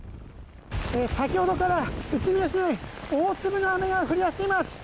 先ほどから宇都宮市内大粒の雨が降り出しています。